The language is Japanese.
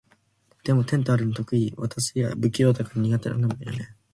でも、テント張るの得意？私、不器用だから心配なんだよね。